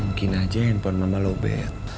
mungkin aja handphone mama lowbat